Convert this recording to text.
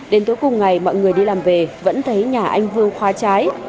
đến tối cùng ngày mọi người đi làm về vẫn thấy nhà anh vương khóa trái